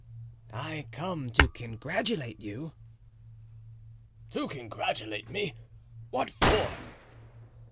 "I come to congratulate you." "To congratulate me—what for?"